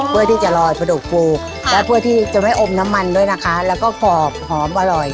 เพื่อที่จะลอยประดกปูและเพื่อที่จะไม่อมน้ำมันด้วยนะคะแล้วก็กรอบหอมอร่อย